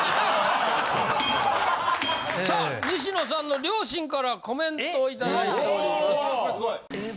さあ西野さんの両親からコメントを頂いております。